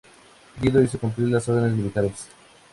Guido hizo cumplir las órdenes militares.